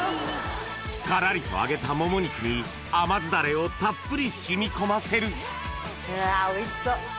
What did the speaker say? カラリと揚げたもも肉に甘酢ダレをたっぷり染み込ませるうわおいしそう。